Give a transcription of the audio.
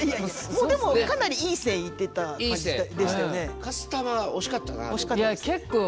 もうでもかなりいい線いってた感じでしたよね。